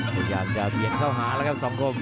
พยายามจะเบียดเข้าหาแล้วครับสองคม